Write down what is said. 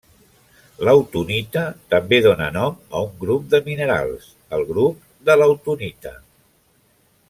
L'autunita també dóna nom a un grup de minerals, el grup de l'autunita.